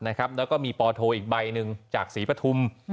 แล้วก็มีปอโทอีกใบหนึ่งจากศรีปฐุม